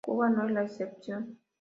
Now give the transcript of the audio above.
Cuba no es la excepción.